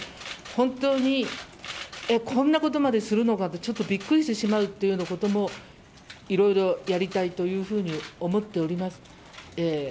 本当にこんなことまでするのかとちょっとビックリしてしまうこともいろいろやりたいというふうに思っております。